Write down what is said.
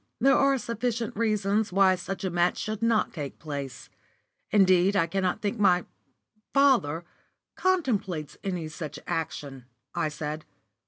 "There are sufficient reasons why such a match should not take place. Indeed, I cannot think my father contemplates any such action," I said.